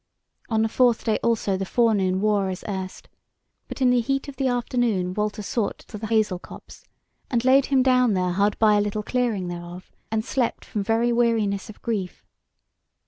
On the fourth day also the forenoon wore as erst; but in the heat of the afternoon Walter sought to the hazel copse, and laid him down there hard by a little clearing thereof, and slept from very weariness of grief.